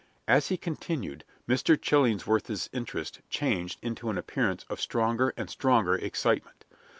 As he continued, Mr. Chillingsworth's interest changed into an appearance of stronger and stronger excitement.